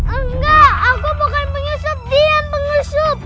enggak aku bukan penyusup dia yang pengusup